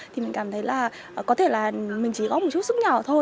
thì mình cảm thấy là có thể là mình chỉ góp một chút sức nhỏ thôi